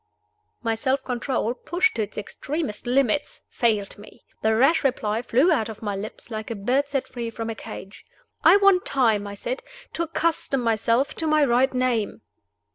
My self control, pushed to its extremest limits, failed me. The rash reply flew out of my lips, like a bird set free from a cage. "I want time," I said, "to accustom myself to my right name."